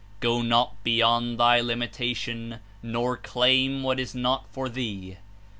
Go not beyond thy limitation, nor claim what is not for thee.